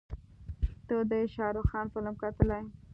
تا د شارخ خان فلم کتلی دی.